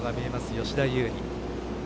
吉田優利。